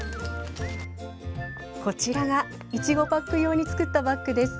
こちらがいちごパック用に作ったバッグです。